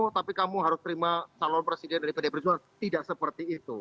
tapi kamu harus terima calon presiden dari pdi perjuangan tidak seperti itu